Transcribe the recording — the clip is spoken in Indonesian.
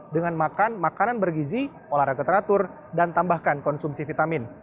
dengan makan makanan bergizi olahraga teratur dan tambahkan konsumsi vitamin